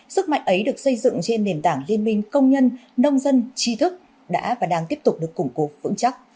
sức mạnh ấy được xây dựng trên nền tảng liên minh công nhân nông dân chi thức đã và đang tiếp tục được củng cố vững chắc